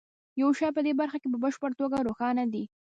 یو شی په دې برخه کې په بشپړه توګه روښانه دی